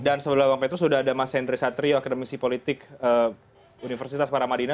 dan sebelah pak petrus sudah ada mas hendry satrio akademisi politik universitas paramadina